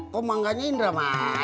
ko mangganya indrah